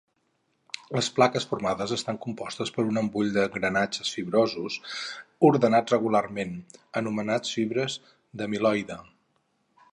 Les plaques formades estan compostes per un embull d'agregats fibrosos ordenats regularment, anomenats fibres d'amiloide.